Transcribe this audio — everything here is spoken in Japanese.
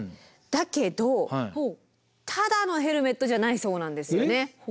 だけどただのヘルメットじゃないそうなんですよね。